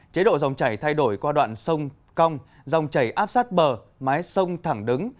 chế độ dòng chảy thay đổi qua đoạn sông cong dòng chảy áp sát bờ mái sông thẳng đứng